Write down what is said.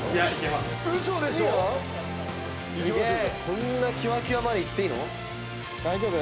こんなきわきわまで行っていいの⁉大丈夫？